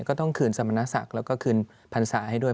ก็ต้องขืนสมณสักและก็ขืนพรรษาให้ด้วย